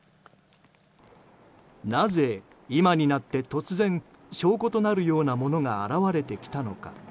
なぜ今になって突然、証拠となるようなものが現れてきたのか？